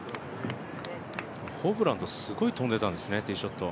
ホブランド、すごい飛んでたんですね、ティーショット。